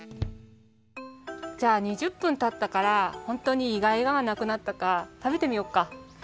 じゃあ２０分たったからほんとにイガイガがなくなったかたべてみよっか。